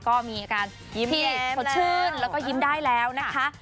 ก็มีอาการยิ้มที่สดชื่นแล้วก็ยิ้มได้แล้วนะคะ